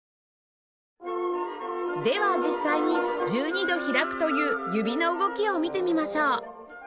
では実際に１２度開くという指の動きを見てみましょう！